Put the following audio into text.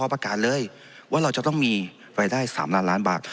ประกาศเลยว่าเราจะต้องมีรายได้๓ล้านล้านบาท